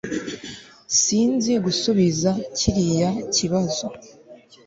Sinzi gusubiza kiriya kibazo